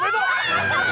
やったー！